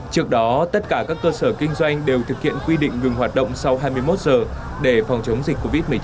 trước đó tất cả các cơ sở kinh doanh đều thực hiện quy định ngừng hoạt động sau hai mươi một giờ để phòng chống dịch covid một mươi chín